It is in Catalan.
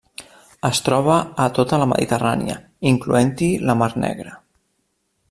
Es troba a tota la Mediterrània, incloent-hi la Mar Negra.